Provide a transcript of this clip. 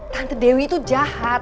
tante dewi tuh jahat